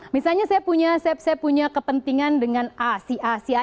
misalnya saya punya kepentingan dengan asia